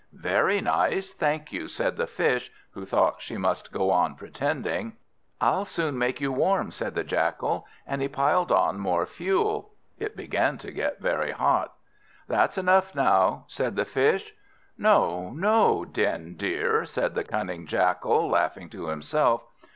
"Very nice, thank you," said the Fish, who thought she must go on pretending. "I'll soon make you warm," said the Jackal, and he piled on more fuel. It began to get very hot. "That's enough now," said the Fish. "No, no, Den dear," said the cunning Jackal, laughing to himself.